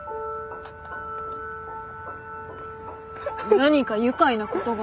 何か愉快なことが？